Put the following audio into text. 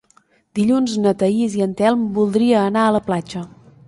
Dilluns na Thaís i en Telm voldria anar a la platja.